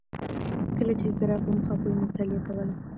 کله چې زه راغلم هغوی مطالعه کوله.